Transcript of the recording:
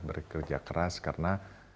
bekerja keras karena